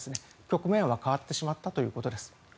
局面は変わってしまったということです。